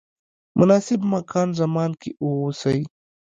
مناسب مکان زمان کې واوسئ.